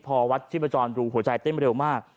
พอวัดชีวิตผัดจอลดูหัวใจเต้นไปเร็วมาก